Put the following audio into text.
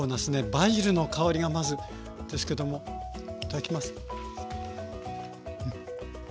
バジルの香りがまずですけどもいただきます。